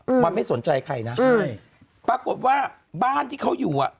อืมมันไม่สนใจใครนะใช่ปรากฏว่าบ้านที่เขาอยู่อ่ะ